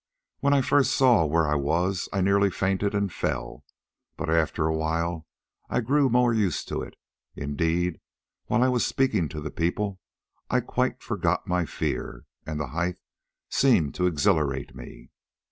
When first I saw where I was, I nearly fainted and fell, but after a while I grew more used to it. Indeed, while I was speaking to the people I quite forgot my fear, and the height seemed to exhilarate me.